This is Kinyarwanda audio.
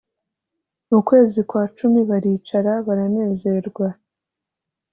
ukwezi kwa cumi baricara baranezerwa